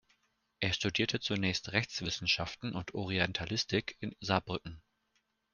Er studierte zunächst Rechtswissenschaften und Orientalistik in Saarbrücken.